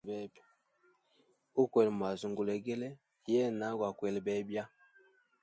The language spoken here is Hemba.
Ukwela mwazi ngulegele, yena gwa kwele bebya.